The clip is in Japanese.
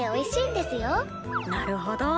なるほど。